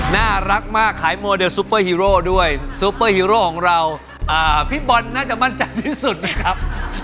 น่ารักมากขายโมเดลซูเปอร์ฮีโร่ด้วยซูเปอร์ฮีโร่ของเราพี่บอลน่าจะมั่นใจที่สุดนะครับ